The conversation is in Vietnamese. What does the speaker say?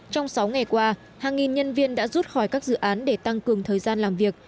trong sáu ngày qua hàng nghìn nhân viên đã rút khỏi các dự án để tăng cường thời gian làm việc